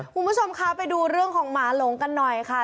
คุณผู้ชมคะไปดูเรื่องของหมาหลงกันหน่อยค่ะ